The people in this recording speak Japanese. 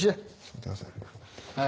待ってください。